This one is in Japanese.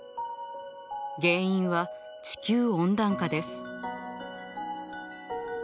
原因は地球温暖化です。